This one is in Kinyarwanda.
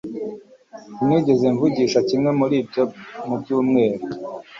sinigeze ngurisha kimwe muri ibyo mu byumweru